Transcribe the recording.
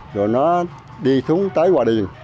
rồi nó đi xuống tới hòa điền